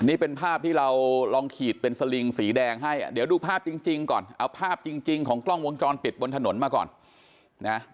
นี่เป็นภาพที่เราลองขีดเป็นสลิงสีแดงให้เดี๋ยวดูภาพจริงก่อนเอาภาพจริงของกล้องวงจรปิดบนถนนมาก่อนนะ